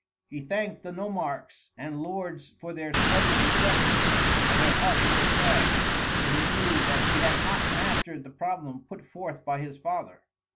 He thanked the nomarchs and lords for their splendid reception, but at heart he was sad, for he knew that he had not mastered the problem put forth by his father.